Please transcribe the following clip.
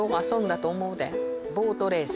ボートレース？